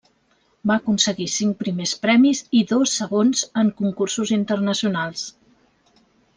Va aconseguir cinc primers premis i dos segons en concursos internacionals.